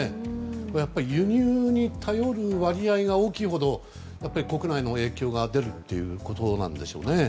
やっぱり輸入に頼る割合が大きいほど国内への影響が出るということなんでしょうね。